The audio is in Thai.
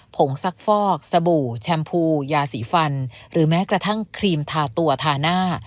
งซักฟอกสบู่แชมพูยาสีฟันหรือแม้กระทั่งครีมทาตัวทาหน้า